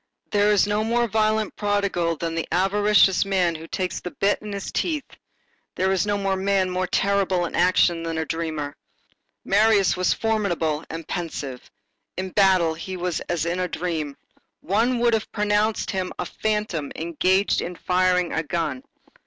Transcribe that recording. There is no more violent prodigal than the avaricious man who takes the bit in his teeth; there is no man more terrible in action than a dreamer. Marius was formidable and pensive. In battle he was as in a dream. One would have pronounced him a phantom engaged in firing a gun.